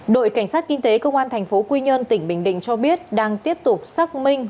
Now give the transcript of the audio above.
đội cảnh sát kinh tế công an thành phố quy nhơn tỉnh bình định cho biết đang tiếp tục xác minh